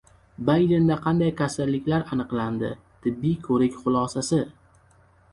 Baydenda qanday kasalliklar aniqlandi?- tibbiy ko‘rik xulosasi